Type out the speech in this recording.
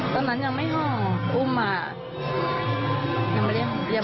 ตอนนั้นยังไม่ห้องอุ้มมายังไม่ได้ห้องเรีย